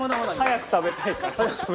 早く食べたいから。